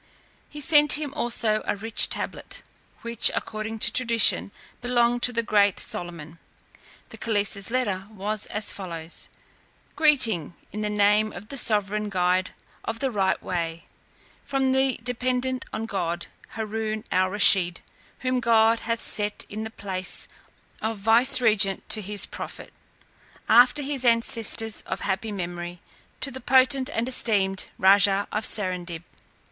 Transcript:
He sent him also a rich tablet, which, according to tradition, belonged to the great Solomon. The caliph's letter was as follows: "Greeting, in the name of the sovereign guide of the right way, from the dependent on God, Haroon al Rusheed, whom God hath set in the place of vicegerent to his prophet, after his ancestors of happy memory, to the potent and esteemed Raja of Serendib.